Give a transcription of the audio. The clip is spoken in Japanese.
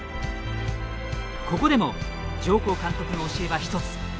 ここでも上甲監督の教えは一つ。